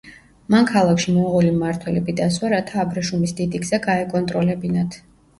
მან ქალაქში მონღოლი მმართველები დასვა რათა აბრეშუმის დიდი გზა გაეკონტროლებინათ.